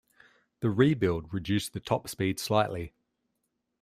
The rebuild reduced the top speed slightly.